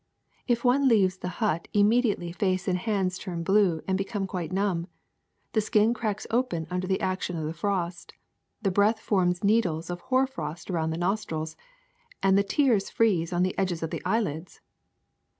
If one leaves the hut, immediately face and hands turn blue and become quite numb; the skin cracks open under the action of the frost; the breath forms needles of hoar frost around the nostrils, and the tears freeze on the edges of the eyelids.''